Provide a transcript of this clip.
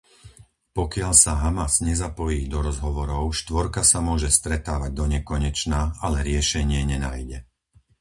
Pokiaľ sa Hamas nezapojí do rozhovorov, štvorka sa môže stretávať donekonečna, ale riešenie nenájde.